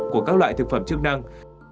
của các loại thực phẩm chức năng